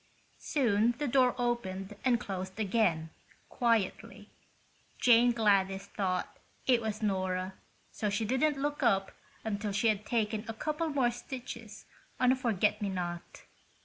Soon the door opened and closed again, quietly. Jane Gladys thought it was Nora, so she didn't look up until she had taken a couple more stitches on a forget me not.